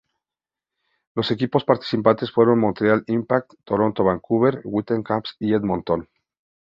Los equipos participantes fueron Montreal Impact, Toronto, Vancouver Whitecaps y Edmonton.